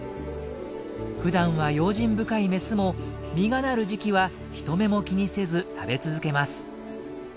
ふだんは用心深いメスも実がなる時期は人目も気にせず食べ続けます。